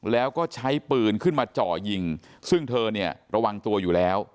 แล้วก็ใช้ปืนขึ้นมาเจาะยิงซึ่งเธอเนี่ยระวังตัวอยู่แล้ว